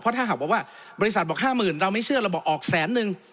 ถ้าหากว่าบริษัทบอก๕๐๐๐เราไม่เชื่อเราบอกออกแสนนึง